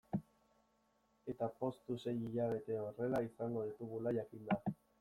Eta poztu sei hilabete horrela izango ditugula jakinda.